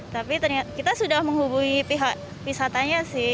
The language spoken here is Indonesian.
tapi kita sudah menghubungi pihak wisatanya sih